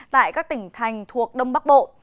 tại các tỉnh thành thuộc đông bắc bộ